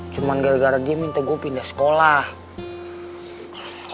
cuman gara gara dia minta gua pindah sekolah